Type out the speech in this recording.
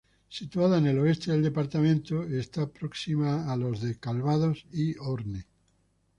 Situada en el oeste del departamento, está próxima a los de Calvados y Orne.